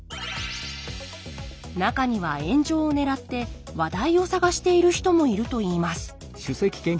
中には炎上をねらって話題を探している人もいるといいます